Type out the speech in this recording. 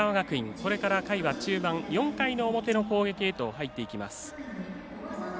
これから、回は中盤４回の表の攻撃へと入っていきます。